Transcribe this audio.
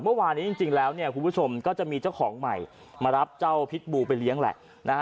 เมื่อวานนี้จริงแล้วเนี่ยคุณผู้ชมก็จะมีเจ้าของใหม่มารับเจ้าพิษบูไปเลี้ยงแหละนะฮะ